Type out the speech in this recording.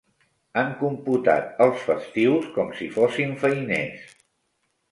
Han computat els festius com si fossin feiners.